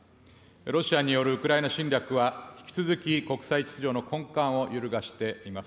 ロシアによるウクライナ侵略は、引き続き国際秩序の根幹を揺るがしています。